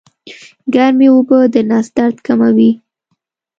ګرمې اوبه د نس درد کموي